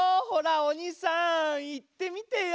おにさん言ってみてよ。